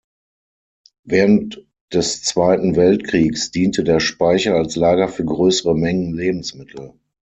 Während des Zweiten Weltkriegs diente der Speicher als Lager für größere Mengen Lebensmittel.